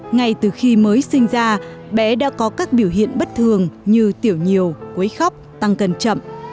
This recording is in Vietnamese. ngay từ khi mới sinh ra bé đã có các biểu hiện bất thường như tiểu nhiều quấy khóc tăng cần chậm